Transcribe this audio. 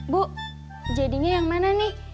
bu jadinya yang mana nih